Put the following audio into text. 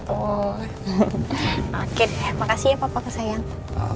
oke deh makasih ya papa kesayang